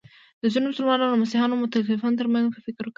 د ځینو مسلمانو او مسیحي متکلمانو تر منځ فکري وه.